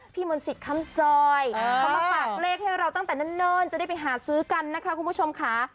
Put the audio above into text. มนตรีคำซอยเขามาฝากเลขให้เราตั้งแต่เนิ่นจะได้ไปหาซื้อกันนะคะคุณผู้ชมค่ะ